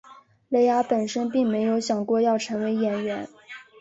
蕾雅本身并没有想过要成为演员。